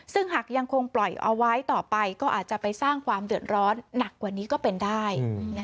ซึ่งหากยังคงปล่อยเอาไว้ต่อไปก็อาจจะไปสร้างความเดือดร้อนหนักกว่านี้ก็เป็นได้